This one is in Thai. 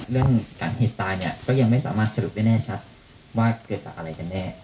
เรื่องสาเหตุตายเนี่ยก็ยังไม่สามารถสรุปได้แน่ชัดว่าเกิดจากอะไรกันแน่